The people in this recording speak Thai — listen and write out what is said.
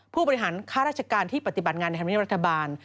ผู้บริหารค่าราชการที่ปฏิบัติงานในธรรมเนียบรัฐบาล